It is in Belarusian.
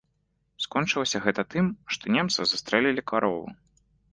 Скончылася гэта тым, што немцы застрэлілі карову.